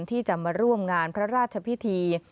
ที่จะมาร่วมงานพระราชพิธี